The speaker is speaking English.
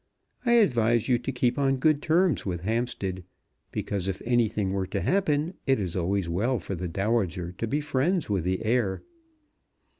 I advise you to keep on good terms with Hampstead, because if anything were to happen, it is always well for the Dowager to be friends with the heir.